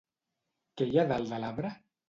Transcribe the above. Què hi ha dalt de l'arbre?